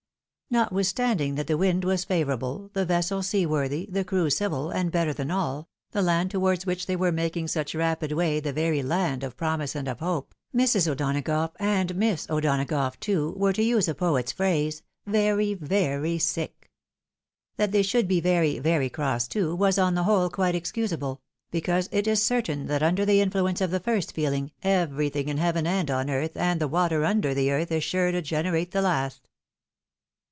Notwithstanding that the wind was favourable, the vessel seaworthy, the crew civil, and, better than all, the land towards which they were making such rapid way, the very land of promise and of hope, Mrs. O'Donagough and Miss O'Dona gough too, were, to use a poet's phrase, "very, very sick."' That they should be very, very cross too, was, on the whole, qidte excusable, because it is certain that under the influence of the first feeling, everything in heaven and on earth, and the water under the earth, is sure to generate the last.